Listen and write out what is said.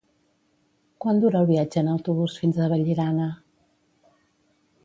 Quant dura el viatge en autobús fins a Vallirana?